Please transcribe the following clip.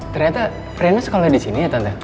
ternyata rena sekolah di sini ya tante